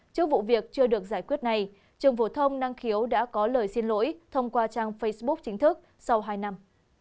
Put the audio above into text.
trước vụ việc chưa được giải quyết này trường phổ thông năng khiếu đã có lời xin lỗi thông qua trang facebook chính thức sau hai năm